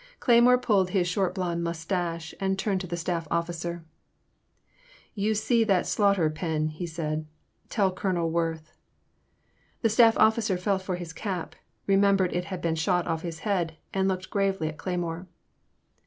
Cleymore pulled his short blond moustache and turned to the staff officer. You see that slaughter pen," he said; " tell Colonel Worth." The staff officer felt for his cap, remembered it had been shot off his head, and looked gravely at Cleymore.